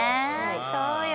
そうよ。